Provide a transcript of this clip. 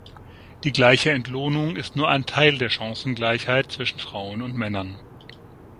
Die gleiche Entlohnung ist nur ein Teil der Chancengleichheit zwischen Frauen und Männern.